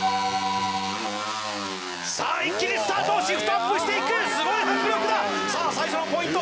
さあ一気にスタートシフトアップしていくすごい迫力ださあ最初のポイント